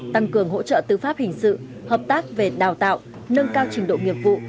tăng cường hỗ trợ tư pháp hình sự hợp tác về đào tạo nâng cao trình độ nghiệp vụ